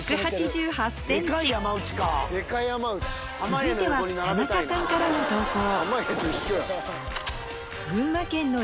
続いては田中さんからの投稿